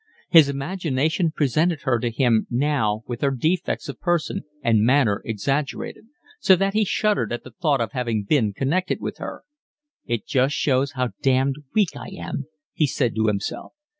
His imagination presented her to him now with her defects of person and manner exaggerated, so that he shuddered at the thought of having been connected with her. "It just shows how damned weak I am," he said to himself.